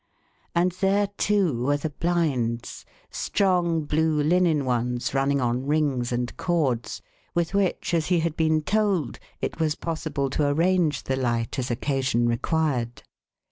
And there, too, were the blinds strong blue linen ones running on rings and cords with which, as he had been told, it was possible to arrange the light as occasion required.